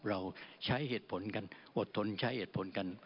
เราใช้เหตุผลกันอดทนใช้เหตุผลกัน